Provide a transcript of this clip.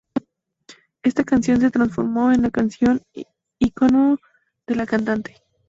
Esta canción se transformó en la canción icono de la cantante.